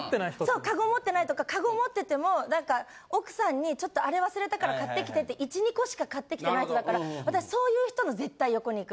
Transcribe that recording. そうカゴ持ってないとかカゴ持ってても何か奥さんにちょっとあれ忘れたから買ってきてって１２個しか買ってきてない人だから私そういう人の絶対横に行く。